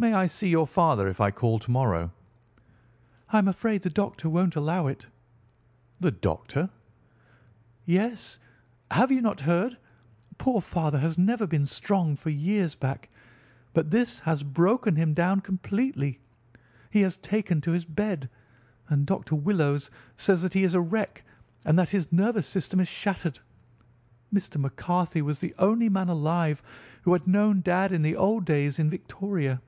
"May I see your father if I call to morrow?" "I am afraid the doctor won't allow it." "The doctor?" "Yes, have you not heard? Poor father has never been strong for years back, but this has broken him down completely. He has taken to his bed, and Dr. Willows says that he is a wreck and that his nervous system is shattered. Mr. McCarthy was the only man alive who had known dad in the old days in Victoria."